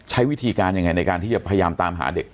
ใช้วิธีการยังไงในการที่จะพยายามตามหาเด็ก